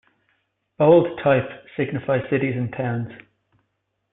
Bold type signifies cities and towns.